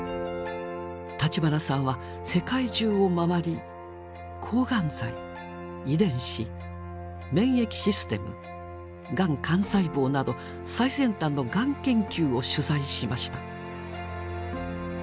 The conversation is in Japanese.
立花さんは世界中を回り抗がん剤遺伝子免疫システムがん幹細胞など最先端のがん研究を取材しました。